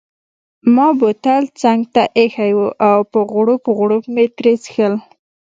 ما بوتل څنګته ایښی وو او په غوړپ غوړپ مې ترې څیښل.